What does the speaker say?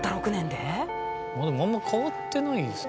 「でもあんま変わってないですけどね